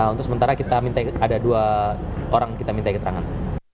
untuk sementara kita minta ada dua orang kita minta keterangan